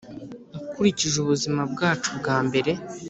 Ukurikije ubuzima bwacu bwambere